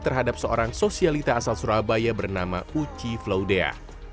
terhadap seorang sosialita asal surabaya bernama uchi flaudia